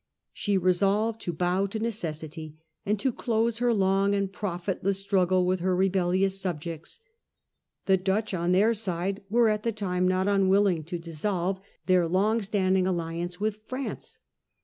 She resolved to bow to necessity, and to close her long and profitless struggle with her rebellious subjects. The Dutch on their side were at the time not unwilling to dissolve their long standing alliance with France.